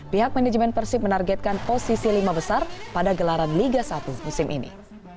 pihak manajemen persib menargetkan posisi lima besar pada gelaran liga satu musim ini